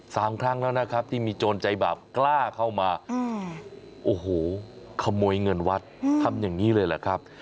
สามครั้งแล้วนะครับที่มีโจรใจบาปกล้าเข้ามาอืมโอ้โหขโมยเงินวัดทำอย่างนี้เลยแหละครับ